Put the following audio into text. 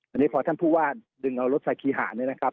อันนี้พอท่านผู้ว่าดึงเอารถสาคีหาเนี่ยนะครับ